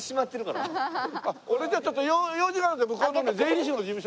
俺ちょっと用事があるので向こうの税理士の事務所に。